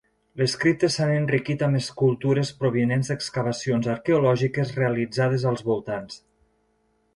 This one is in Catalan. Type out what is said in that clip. Les criptes s'han enriquit amb escultures provinents d'excavacions arqueològiques realitzades als voltants.